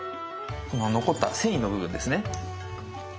残った繊維の部分ですね。